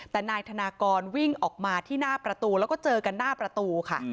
แต่นายธนากรวิ่งออกมาที่หน้าประตูแล้วก็เจอกันหน้าประตูค่ะ